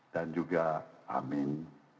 dan juga amin